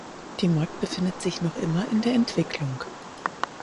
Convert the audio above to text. Die Mod befindet sich noch immer in der Entwicklung.